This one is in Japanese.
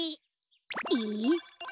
えっ？